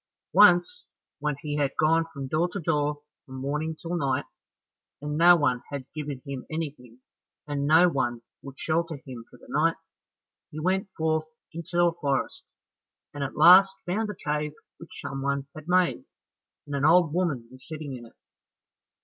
Once when he had gone from door to door from morning till night, and no one had given him anything, and no one would shelter him for the night, he went forth into a forest, and at last found a cave which someone had made, and an old woman was sitting in it.